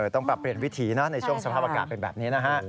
ต้องปรับเปลี่ยนวิถีนะในช่วงสภาพอากาศเป็นแบบนี้นะฮะ